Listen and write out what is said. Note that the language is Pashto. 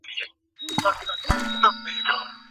که لثه ژوبله شي، درد پیدا کېږي.